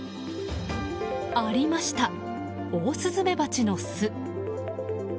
ありましたオオスズメバチの巣。